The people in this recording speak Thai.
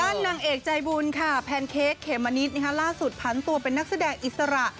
นางเอกใจบุญค่ะแพนเค้กเขมมะนิดล่าสุดพันตัวเป็นนักแสดงอิสระ